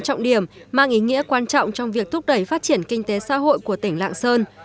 trọng điểm mang ý nghĩa quan trọng trong việc thúc đẩy phát triển kinh tế xã hội của tỉnh lạng sơn